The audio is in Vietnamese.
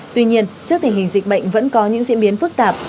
tuy nhiên trước tình hình dịch bệnh vẫn có những diễn biến phức tạp